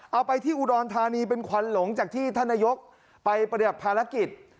เอาไปที่อุดรธานีเป็นควันหลงจากที่ท่านนายกไปปฏิบัติภารกิจ